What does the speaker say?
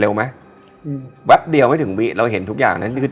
รู้มั้ยอืมแวดเดียวไม่ถึงวิเราเห็นทุกอย่างอย่างนั้นก็คือ